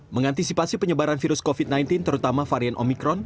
mengantisipasi penyebaran virus covid sembilan belas terutama varian omikron